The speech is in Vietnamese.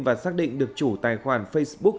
và xác định được chủ tài khoản facebook